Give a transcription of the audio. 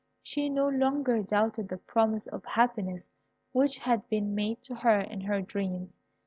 She no longer doubted the promise of happiness which had been made to her in her dreams.